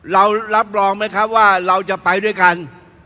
เรารับรองไหมครับว่าเราจะไปด้วยกัน